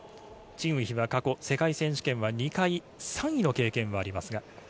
チン・ウヒは過去世界選手権は２回３位の経験があります。